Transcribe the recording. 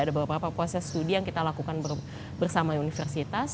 ada beberapa proses studi yang kita lakukan bersama universitas